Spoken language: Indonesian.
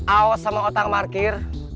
awas sama otak markir